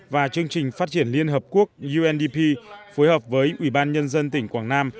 và chương trình phát triển liên hợp quốc undp phối hợp với ubnd tỉnh quảng nam